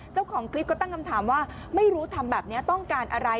เจ้าของคลิปก็ตั้งคำถามว่าไม่รู้ทำแบบนี้ต้องการอะไร